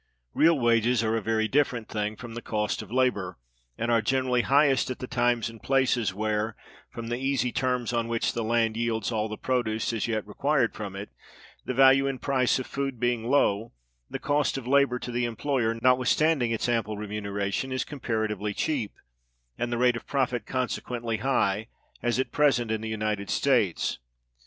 Real wages are a very different thing from the Cost of Labor, and are generally highest at the times and places where, from the easy terms on which the land yields all the produce as yet required from it, the value and price of food being low, the cost of labor to the employer, notwithstanding its ample remuneration, is comparatively cheap, and the rate of profit consequently high, as at present in the United States.